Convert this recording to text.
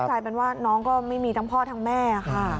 กลายเป็นว่าน้องก็ไม่มีทั้งพ่อทั้งแม่ค่ะ